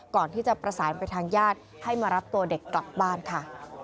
ก่อนที่จะประสานไปทางญาติให้มารับตัวเด็กกลับบ้านค่ะ